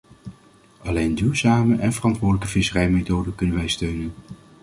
Alleen duurzame en verantwoordelijke visserijmethoden kunnen wij steunen.